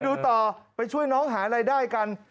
ดูต่อไปช่วยน้องหารายได้กัน